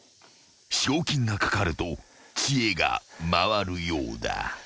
［賞金が懸かると知恵が回るようだ］